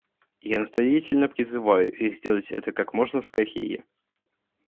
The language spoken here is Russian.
Я настоятельно призываю их сделать это как можно скорее.